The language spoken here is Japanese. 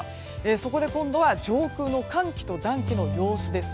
そこで今度は上空の寒気と暖気の様子です。